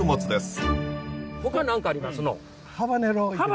ほか何かありますのん？